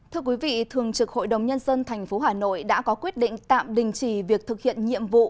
thưa quý vị thường trực hội đồng nhân dân tp hà nội đã có quyết định tạm đình chỉ việc thực hiện nhiệm vụ